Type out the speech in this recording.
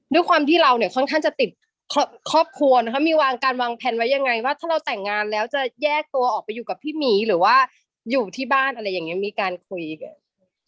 ด้วยความที่เราเนี่ยค่อนข้างจะติดครอบครัวนะคะมีวางการวางแผนไว้ยังไงว่าถ้าเราแต่งงานแล้วจะแยกตัวออกไปอยู่กับพี่หมีหรือว่าอยู่ที่บ้านอะไรอย่างนี้มีการคุยกัน